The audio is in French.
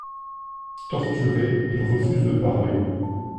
Torturé, il refuse de parler.